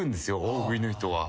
大食いの人は。